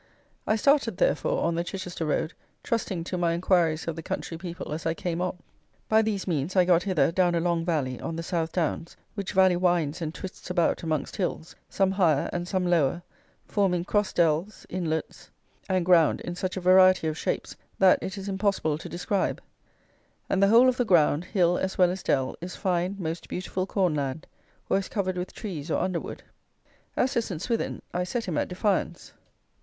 I started, therefore, on the Chichester road, trusting to my enquiries of the country people as I came on. By these means I got hither, down a long valley, on the South Downs, which valley winds and twists about amongst hills, some higher and some lower, forming cross dells, inlets, and ground in such a variety of shapes that it is impossible to describe; and the whole of the ground, hill as well as dell, is fine, most beautiful corn land, or is covered with trees or underwood. As to St. Swithin, I set him at defiance.